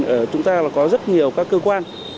ở chúng ta có rất nhiều các cơ quan